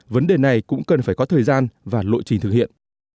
vấn đề này cũng cần phải có thời gian và lộ trình thực hiện